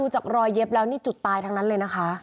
จากรอยเย็บแล้วนี่จุดตายทั้งนั้นเลยนะคะ